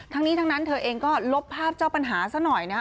ทั้งนี้ทั้งนั้นเธอเองก็ลบภาพเจ้าปัญหาซะหน่อยนะฮะ